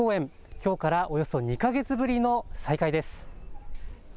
きょうからおよそ２か月ぶりの再開です。